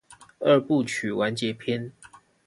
二部曲完結篇